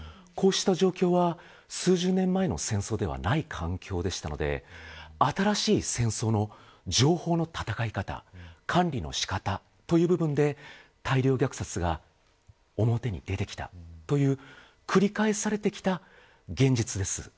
こうした状況は数十年前の戦争ではない環境でしたので新しい戦争の情報の戦い方管理の仕方という部分で大量虐殺が表に出てきたという繰り返されてきた現実です。